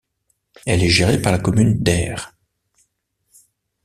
Elle est gérée par la commune d'Err.